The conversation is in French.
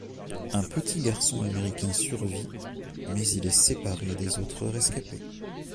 Un petit garçon américain survit, mais il est séparé des autres rescapés.